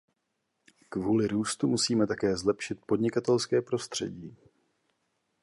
Kvůli růstu musíme také zlepšit podnikatelské prostředí.